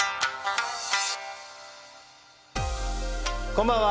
こんばんは。